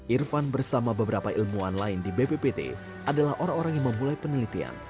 irfan bersama beberapa ilmuwan lain di bppt adalah orang orang yang memulai penelitian